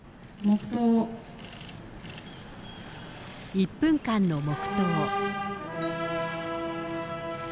１分間の黙とう。